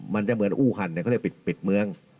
มันจะเหมือนอู้คันเขาเรียกปิดเมือง